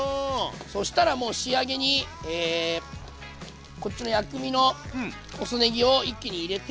そしたらもう仕上げにこっちの薬味の細ねぎを一気に入れて。